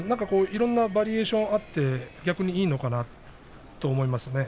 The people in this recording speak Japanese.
いろんなバリエーションがあって逆にいいのかなと思いますね。